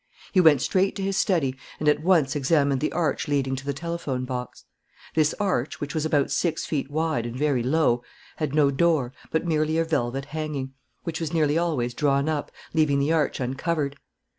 He went straight to his study and at once examined the arch leading to the telephone box. This arch, which was about six feet wide and very low, had no door, but merely a velvet hanging, which was nearly always drawn up, leaving the arch uncovered.